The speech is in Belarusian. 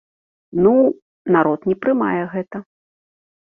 Ну, народ не прымае гэта.